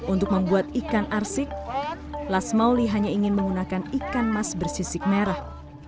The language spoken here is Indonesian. untuk membuat ikan arsik lasmauli hanya ingin menggunakan ikan mas bersisik merah